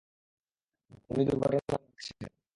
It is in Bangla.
উনি দূর্ঘটনায় মারা গেছেন।